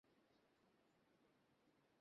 তার গলায় ঝুলছিল একটি তরবারি।